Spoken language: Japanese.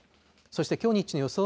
そしてきょう日中の予想